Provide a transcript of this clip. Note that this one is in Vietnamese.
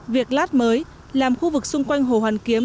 việc lát mới làm khu vực xung quanh hồ hoàn kiếm